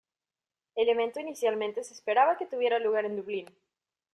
El evento inicialmente se esperaba que tuviera lugar en Dublín.